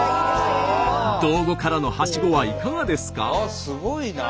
道後からのはしごはいかがですか？